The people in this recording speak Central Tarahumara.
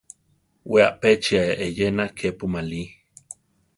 We apéchia eyéna kepu marí.